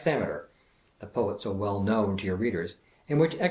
Ameter (the poet so well known to your readers), in which X.